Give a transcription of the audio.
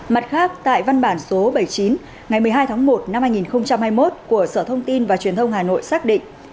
mặt khác tại văn bản số bảy mươi chín ngày một mươi hai tháng một năm hai nghìn hai mươi một của sở thông tin và truyền thông hà nội xác định